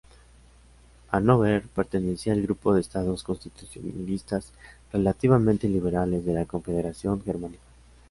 Hanóver pertenecía al grupo de estados constitucionalistas relativamente liberales de la Confederación Germánica.